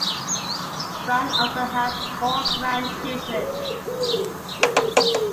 Brown also has four grandchildren.